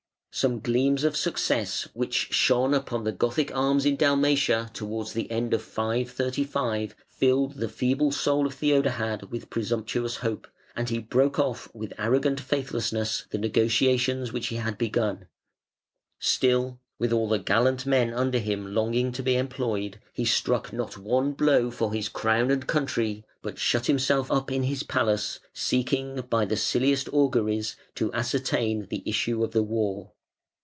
Some gleams of success which shone upon the Gothic arms in Dalmatia towards the end of 535 filled the feeble soul of Theodahad with presumptuous hope, and he broke off with arrogant faithlessness the negotiations which he had begun. Still, with all the gallant men under him longing to be employed, he struck not one blow for his crown and country, but shut himself up in his palace, seeking by the silliest auguries to ascertain the issue of the war.